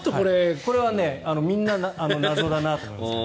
これはみんな謎だなと思いました。